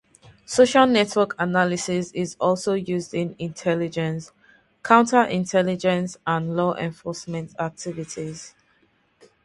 Social network analysis is also used in intelligence, counter-intelligence and law enforcement activities.